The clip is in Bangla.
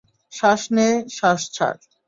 শ্বাস নে, শ্বাস ছাড়।